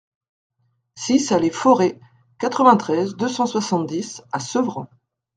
six allée Fauré, quatre-vingt-treize, deux cent soixante-dix à Sevran